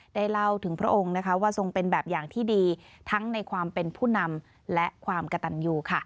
ได้เล่าถึงพระองค์ว่าทรงเป็นแบบอย่างที่ดีทั้งในความเป็นผู้นำและความกระตันยู